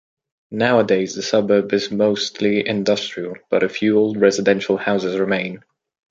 Nowadays the suburb is mostly industrial but a few old residential houses remain.